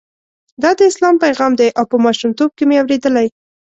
دا د اسلام پیغام دی او په ماشومتوب کې مې اورېدلی.